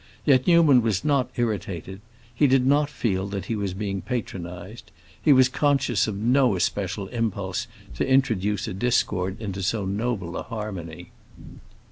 Yet Newman was not irritated; he did not feel that he was being patronized; he was conscious of no especial impulse to introduce a discord into so noble a harmony.